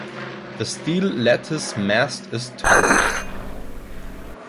The steel lattice mast is tall.